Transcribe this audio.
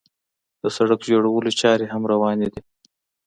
د سړک جوړولو چارې هم روانې دي.